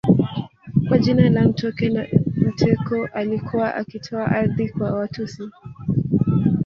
Kwa jina la Mtoke Na mteko alikuwa akitoa ardhi kwa Watusi